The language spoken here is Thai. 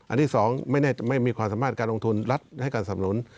ที่๒ไม่มีความสามารถการลงทุนรัฐให้การสำนุน